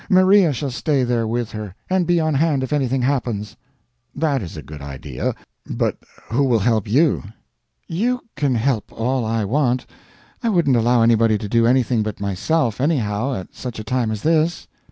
Maria shall stay there with her, and be on hand if anything happens." "That is a good idea, but who will help YOU?" "You can help me all I want. I wouldn't allow anybody to do anything but myself, anyhow, at such a time as this."